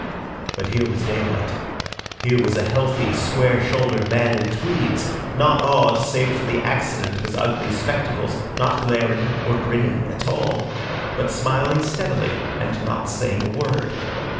But here was daylight; here was a healthy, square shouldered man in tweeds, not odd save for the accident of his ugly spectacles, not glaring or grinning at all, but smiling steadily and not saying a word.